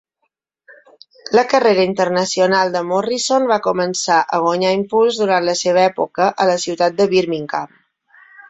La carrera internacional de Morrison va començar a guanyar impuls durant la seva època a la ciutat de Birmingham.